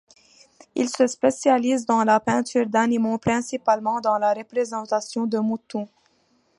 Il se spécialise dans la peinture d'animaux, principalement dans la représentation de moutons.